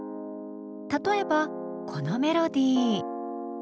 例えばこのメロディー。